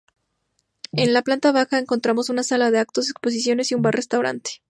En la planta baja, encontramos una sala de actos, exposiciones y un bar-restaurante.